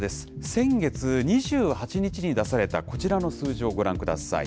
先月２８日に出された、こちらの数字をご覧ください。